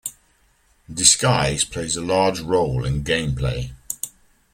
Disguise plays a large role in gameplay.